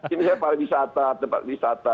ini saya para wisata tempat wisata